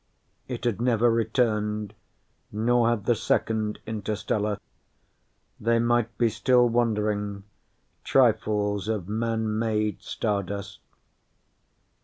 (It had never returned, nor had the Second Interstellar. They might be still wandering, trifles of Man made Stardust.)